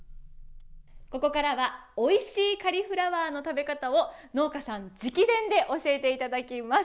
ここからはおいしいカリフラワーの食べ方を農家さん直伝で教えていただきます。